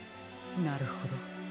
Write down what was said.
なるほど。